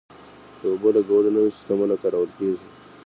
د اوبو لګولو نوي سیستمونه کارول کیږي.